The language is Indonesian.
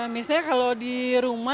biasanya kalau di rumah